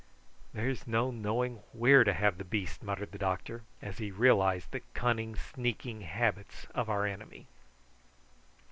"There's no knowing where to have the beast," muttered the doctor, as he realised the cunning sneaking habits of our enemy.